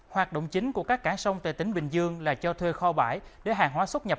hoạt động chính của các cảng sông tại tỉnh bình dương là cho thuê kho bãi để hàng hóa xuất nhập